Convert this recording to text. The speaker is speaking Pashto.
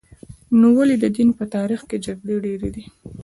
نو ولې د دین په تاریخ کې جګړې ډېرې دي؟